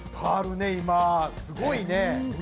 あるね、今すごいね。